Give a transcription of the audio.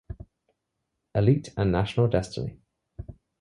Elite and national destiny.